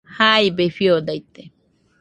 Jaibe fiodaite